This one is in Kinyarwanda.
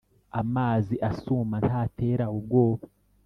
amazi asuma ntantera ubwoba